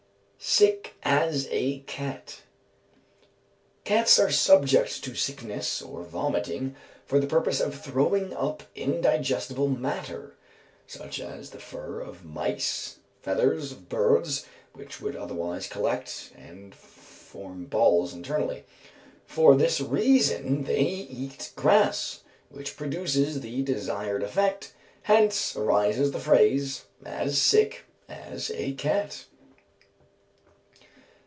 Sick as a Cat. Cats are subject to sickness or vomiting for the purpose of throwing up indigestible matter, such as the fur of mice, feathers of birds, which would otherwise collect and form balls internally. For this reason they eat grass, which produces the desired effect; hence arises the phrase "as sick as a cat."